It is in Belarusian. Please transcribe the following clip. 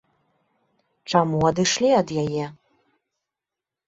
Чаму адышлі ад яе?